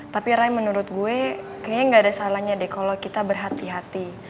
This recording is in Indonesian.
tapi ry menurut gue kayaknya gak ada salahnya deh kalau kita berhati hati